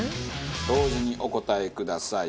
同時にお答えください。